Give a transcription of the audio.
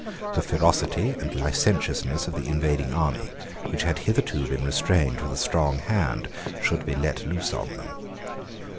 The ferocity and licentiousness of the invading army, which had hitherto been restrained with a strong hand, should be let loose on them.